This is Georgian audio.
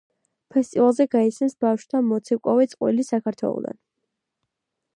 ფესტივალზე გაიცნეს ბავშვთა მოცეკვავე წყვილი საქართველოდან.